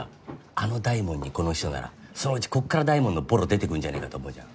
あの大門にこの秘書ならそのうちこっから大門のぼろ出てくんじゃねぇかと思うじゃん？